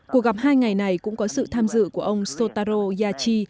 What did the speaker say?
cuộc gặp hai ngày này cũng có sự tham dự của ông sotaro yachi